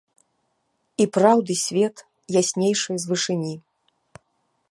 І праўды свет яснейшы з вышыні.